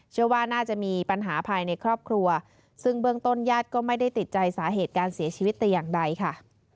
เชื่อว่าน่าจะมีปัญหาภายในครอบครัวซึ่งเบื้องต้นญาติก็ไม่ได้ติดใจสาเหตุการเสียชีวิตแต่อย่างใดค่ะ